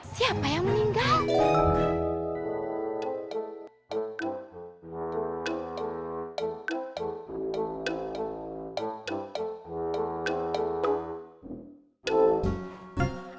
siapa yang meninggal